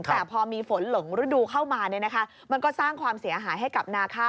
แต่พอมีฝนหลงฤดูเข้ามามันก็สร้างความเสียหายให้กับนาข้าว